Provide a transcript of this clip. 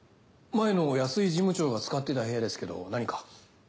前の安井事務長が使っていた部屋ですけど何か？